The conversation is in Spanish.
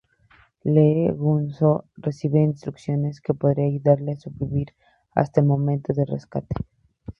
Lee Jung-soo recibe instrucciones que podrían ayudarle a sobrevivir hasta el momento de rescate.